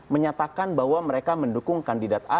menyatakan bahwa mereka mendukung kandidat a